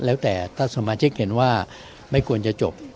แล้วแต่ถ้าสมาชิกเห็นว่าไม่ควรจะจบ